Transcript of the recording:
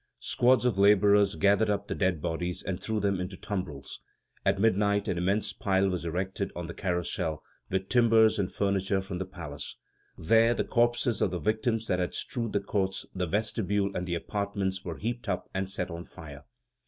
Squads of laborers gathered up the dead bodies and threw them into tumbrels. At midnight an immense pile was erected on the Carrousel with timbers and furniture from the palace. There the corpses of the victims that had strewed the courts, the vestibule, and the apartments were heaped up, and set on fire.